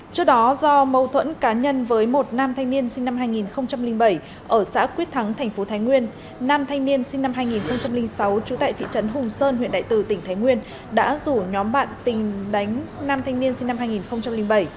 trước đó do mâu thuẫn cá nhân với một nam thanh niên sinh năm hai nghìn bảy ở xã quyết thắng thành phố thái nguyên nam thanh niên sinh năm hai nghìn sáu trú tại thị trấn hùng sơn huyện đại từ tỉnh thái nguyên đã rủ nhóm bạn tình đánh nam thanh niên sinh năm hai nghìn bảy